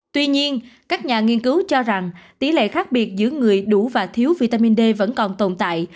tuy nhiên các nhà nghiên cứu cho rằng tỷ lệ khác biệt giữa người đủ và thiếu vitamin d vẫn còn tồn tại